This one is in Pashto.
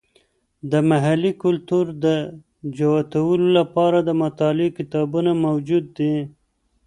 د محلي کلتور د جوتولو لپاره د مطالعې کتابونه موجود دي.